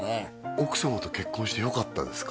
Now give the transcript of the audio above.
奥様と結婚してよかったですか？